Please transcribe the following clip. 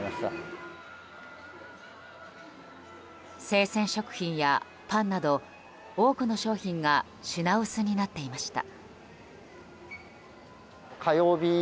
生鮮食品やパンなど多くの商品が品薄になっていました。